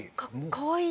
かわいい。